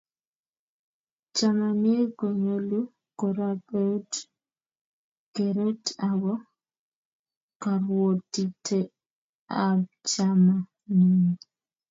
Chamaniik konyolu korop eut kereet ako karwotitoetab chamanenyi.